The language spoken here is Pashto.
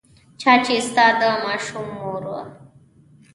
چا چې ستا د ماشوم مور وه.